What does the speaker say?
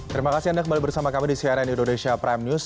terima kasih anda kembali bersama kami di cnn indonesia prime news